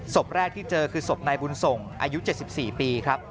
ศพแรกที่เจอคือศพนายบุญส่งอายุ๗๔ปีครับ